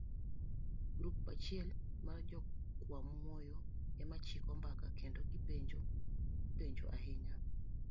Grup achiel mar jokmawuoyo ema chiko mbaka kendo gipenjo penjo ahinya,